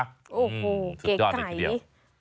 โอ้โหสุดยอดอีกทีเดียว